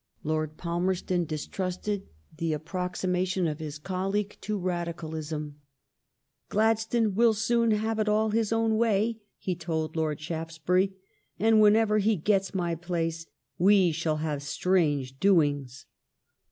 Lord Palmerston distrusted the approximation •of his colleague to Radicalism. Gladstone will soon have it all his own way/' he told Lord Shaftesbury, ^* and, whenever he gets my place, we shall have strange doings."